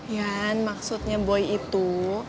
yan maksudnya boy itu